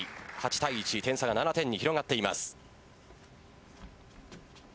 ８対１点差が７点に広がっています。